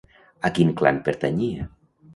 A quin clan pertanyia?